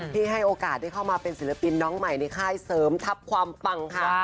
ให้โอกาสได้เข้ามาเป็นศิลปินน้องใหม่ในค่ายเสริมทัพความปังค่ะ